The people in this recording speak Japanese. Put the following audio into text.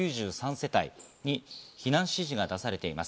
世帯に避難指示が出されています。